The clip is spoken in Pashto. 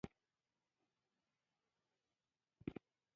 ازادي راډیو د اقتصاد حالت په ډاګه کړی.